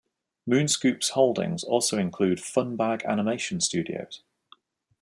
MoonScoop's holdings also include Funbag Animation Studios.